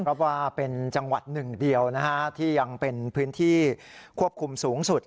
เพราะว่าเป็นจังหวัดหนึ่งเดียวนะฮะที่ยังเป็นพื้นที่ควบคุมสูงสุด